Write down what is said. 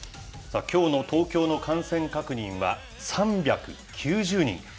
きょうの東京の感染確認は３９０人。